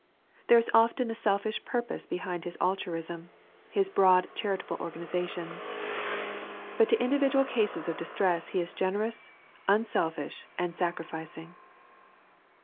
There is often a selfish purpose behind his altruism, his broad charitable organizations. But to individual cases of distress he is generous, unselfish, and sacrificing.